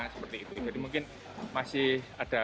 seperti itu jadi mungkin masih ada